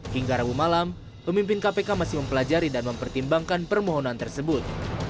hingga rabu malam pemimpin kpk masih mempelajari dan mempertimbangkan permohonan tersebut